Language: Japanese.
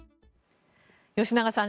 吉永さん